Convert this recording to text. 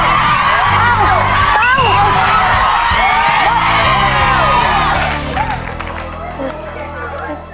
ตั้งตั้ง